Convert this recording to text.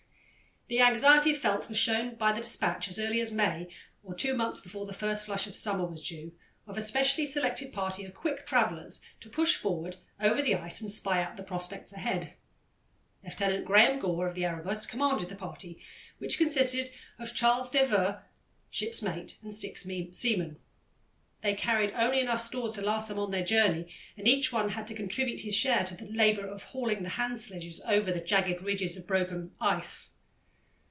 The anxiety felt was shown by the despatch, as early as May, or two months before the first flush of summer was due, of a specially selected party of quick travellers to push forward over the ice and spy out the prospects ahead. Lieutenant Graham Gore, of the Erebus, commanded the party, which consisted of Charles des Voeux, ship's mate, and six seamen. They carried only enough stores to last them on their journey, and each one had to contribute his share to the labour of hauling the hand sledges over the jagged ridges of broken ice.